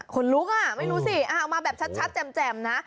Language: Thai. คนลุกอ่ะไม่รู้สิเอามาแบบชัดแจ่มนะ